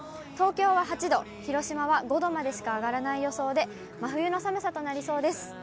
東京は８度、広島は５度までしか上がらない予想で、真冬の寒さとなりそうです。